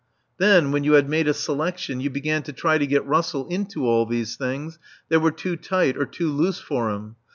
Then when you had made a selection, you began to try to get Russell into all these things that were too tight or too loose for him.